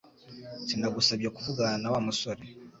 Sinagusabye kuvugana na Wa musore